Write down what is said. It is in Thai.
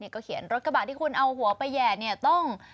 ก็เขียนรถกระบะที่คุณเอาหัวไปแห่เนี่ยต้อง